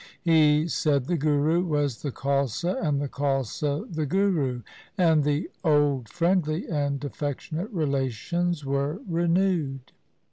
He said the Guru was the Khalsa and the Khalsa the Guru, and the old friendly and affectionate relations were renewed.